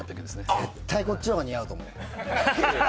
絶対こっちのほうが似合うと思います。